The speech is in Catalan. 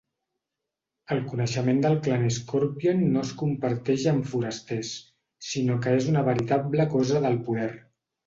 El coneixement del clan Scorpion no es comparteix amb forasters, sinó que és una veritable cosa del poder.